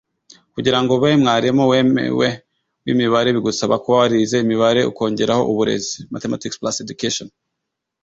Kugira ngo ube mwarimu wemewe w’ imibare bigusaba kuba warize imibare ukongeraho uburezi (Mathematics+ Education)